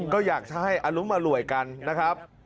ก็อยากจะให้อรุมอร่วยกันนะครับ